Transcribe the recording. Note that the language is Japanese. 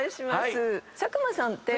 佐久間さんって。